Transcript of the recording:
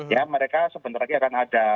ya mereka sebentar lagi akan ada